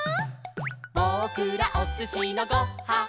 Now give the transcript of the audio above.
「ぼくらおすしのご・は・ん」